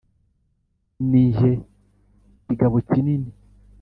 Ni jye kigabo kinini